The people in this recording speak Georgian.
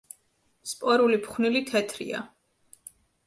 სპორული ფხვნილი თეთრია.